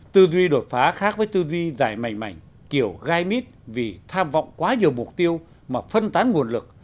tư duy đột phá khác với tư duy dài mảnh kiểu gai mít vì tham vọng quá nhiều mục tiêu mà phân tán nguồn lực